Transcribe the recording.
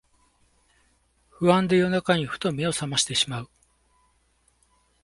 不安で夜中にふと目をさましてしまう